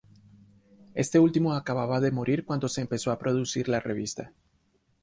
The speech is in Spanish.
Este último acababa de morir cuando se empezó a producir la revista.